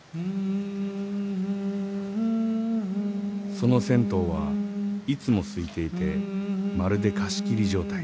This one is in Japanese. ［その銭湯はいつもすいていてまるで貸し切り状態］